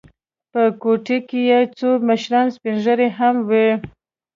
په کوټه کې څه مشران سپین ږیري هم و.